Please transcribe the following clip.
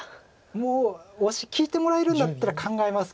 もうオシ利いてもらえるんだったら考えますけど。